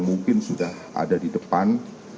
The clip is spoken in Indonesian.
mungkin sudah ada di depan